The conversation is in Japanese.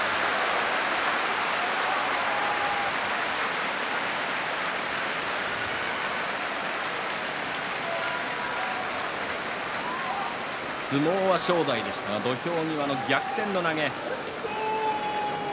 拍手相撲は正代でしたが土俵際の逆転の投げ。